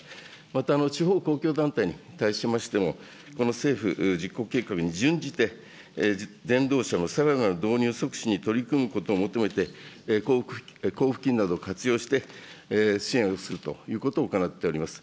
また地方公共団体に対しましても、この政府実行計画に準じて、電動車のさらなる導入促進に取り組むことを求めて、交付金など活用して支援をするということを行っております。